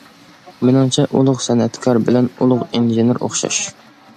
مېنىڭچە ئۇلۇغ سەنئەتكار بىلەن ئۇلۇغ ئىنژېنېر ئوخشاش.